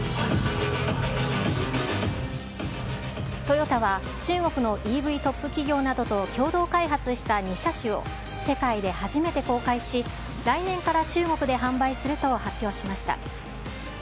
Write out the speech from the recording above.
トヨタは中国のＥＶトップ企業などと共同開発した２車種を世界で初めて公開し、来年から中国で販売すると発表しました。